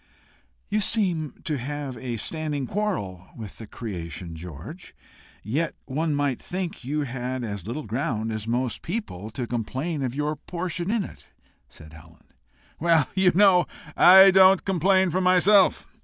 "You seem to have a standing quarrel with the creation, George! Yet one might think you had as little ground as most people to complain of your portion in it," said Helen. "Well, you know, I don't complain for myself.